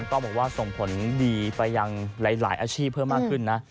ต้องบอกว่าส่งผลดีไปยังหลายอาชีพเพิ่มมากขึ้นนะ